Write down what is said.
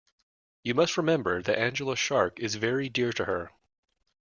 You must remember that Angela's shark is very dear to her.